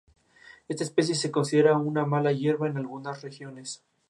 Su postura política, según sus contemporáneos era una incógnita.